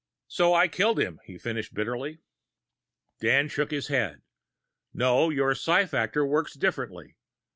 "So I killed him," he finished bitterly. Dan shook his head. "No. Your psi factor works differently.